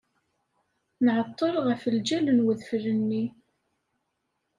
Nɛeḍḍel ɣef ljal n wedfel-nni.